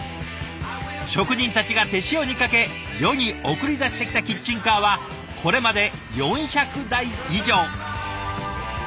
職人たちが手塩にかけ世に送り出してきたキッチンカーはこれまで４００台以上。